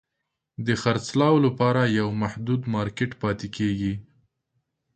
د خرڅلاو لپاره یو محدود مارکېټ پاتې کیږي.